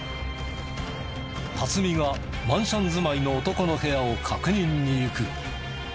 辰己がマンション住まいの男の部屋を確認に行く。